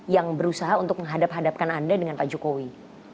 yang berusaha untuk menghadap hadapkan anda dengan pak jokowi